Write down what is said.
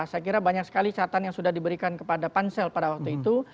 saya kira banyak sekali catatan yang sudah diberikan kepada pansel pada waktu itu